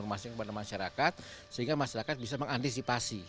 masih kepada masyarakat sehingga masyarakat bisa mengantisipasi